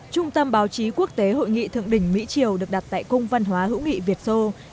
trung tâm báo chí quốc tế hội nghị thượng đỉnh mỹ triều được đặt tại cung văn hóa hữu nghị việt sô